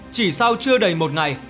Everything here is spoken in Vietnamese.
chỉ sau chưa đầy một ngày